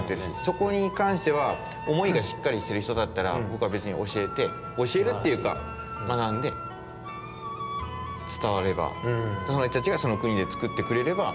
そこにかんしてはおもいがしっかりしてるひとだったらぼくはべつにおしえておしえるっていうかまなんでつたわればそのひとたちがそのくにでつくってくれれば。